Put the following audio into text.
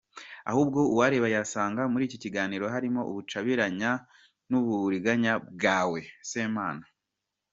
Ahubwo uwareba yasanga muri iki kiganiro harimo ubucabiraya n’uburiganya bwawe Semana.